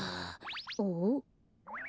おっ？